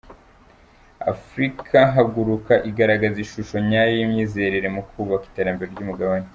Africa Haguruka igaragaza ishusho nyayo y’imyizerere mu kubaka iterambere ry’umugabane.